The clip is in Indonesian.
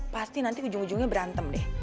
pasti nanti ujung ujungnya berantem deh